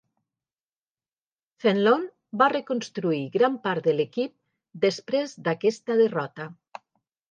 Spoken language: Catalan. Fenlon va reconstruir gran part de l'equip després d'aquesta derrota.